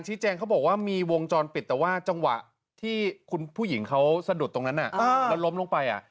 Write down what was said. แต่ว่าจังหวะที่ผู้หญิงเขาสะดดตรงนั้นอ่ะ